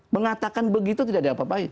mengatakan begitu tidak diapapain